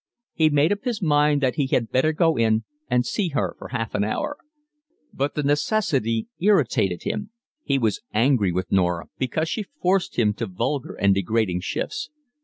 He made up his mind that he had better go in and see her for half an hour; but the necessity irritated him: he was angry with Norah, because she forced him to vulgar and degrading shifts.